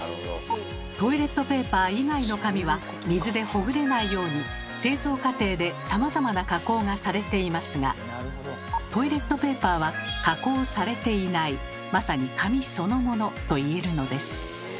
トイレットペーパー以外の紙は水でほぐれないように製造過程でさまざまな加工がされていますがトイレットペーパーは加工されていないまさに紙そのものと言えるのです。